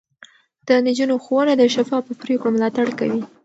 د نجونو ښوونه د شفافو پرېکړو ملاتړ کوي.